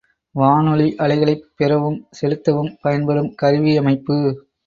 வானொலி அலைகளைப் பெறவும் செலுத்தவும் பயன்படும் கருவியமைப்பு.